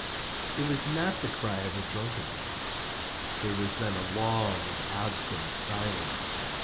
It was not the cry of a drunken man. There was then a long and obstinate silence.